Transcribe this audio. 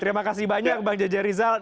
terima kasih banyak bang jaja rizal